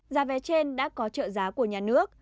giá vé trên đã có trợ giá của nhà nước